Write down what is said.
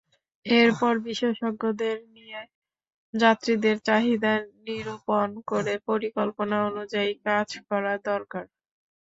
এরপর বিশেষজ্ঞদের নিয়ে যাত্রীদের চাহিদা নিরূপণ করে পরিকল্পনা অনুযায়ী কাজ করা দরকার।